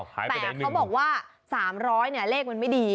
แต่เขาบอกว่า๓๐๐เหรกมันไม่ดี